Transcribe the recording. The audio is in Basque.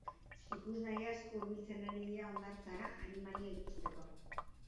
Ikusnahi asko hurbiltzen ari dira hondartzara animalia ikusteko.